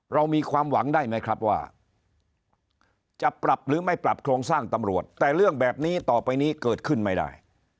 เรามีความหวังได้ไหมครับว่าจะปรับหรือไม่ปรับโครงสร้างตำรวจแต่เรื่องแบบนี้ต่อไปนี้เกิดขึ้นไม่ได้